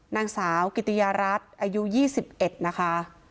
นางสาวกิติยารัฐอายุ๒๑นะคะ